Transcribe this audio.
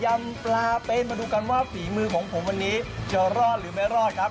ยำปลาเป็นมาดูกันว่าฝีมือของผมวันนี้จะรอดหรือไม่รอดครับ